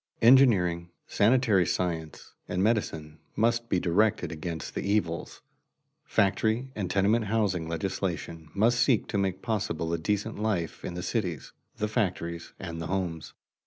Engineering, sanitary science, and medicine must be directed against the evils; factory and tenement house legislation must seek to make possible a decent life in the cities, the factories, and the homes.